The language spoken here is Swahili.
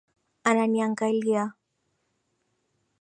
Ananiangalia